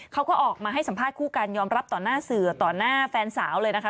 เขาก็ออกมาให้สัมภาษณ์คู่กันยอมรับต่อหน้าสื่อต่อหน้าแฟนสาวเลยนะคะ